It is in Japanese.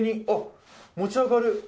あっ、持ち上がる。